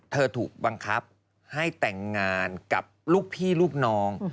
ถูกบังคับให้แต่งงานกับลูกพี่ลูกน้อง